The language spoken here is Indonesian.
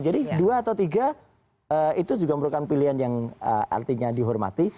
jadi dua atau tiga itu juga merupakan pilihan yang artinya dihormati